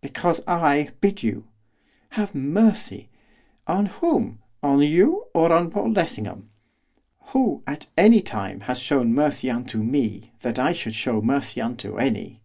'Because I bid you.' 'Have mercy!' 'On whom on you, or on Paul Lessingham? Who, at any time, has shown mercy unto me, that I should show mercy unto any?